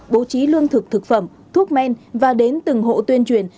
bố trí lương thực thực phẩm thuốc men và đến từng hộ tuyên truyền